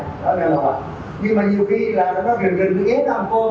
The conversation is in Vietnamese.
đó nên là nhưng mà nhiều khi là nó gần gần đi ghé đồng nai